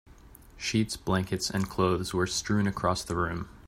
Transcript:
Sheets, blankets, and clothes were strewn across the room.